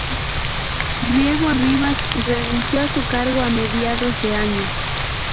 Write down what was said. Riego Ribas renunció a su cargo a mediados de año.